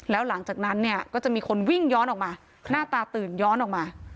แล้วหลังจากนั้นเนี่ยก็จะมีคนวิ่งย้อนออกมาหน้าตาตื่นย้อนออกมา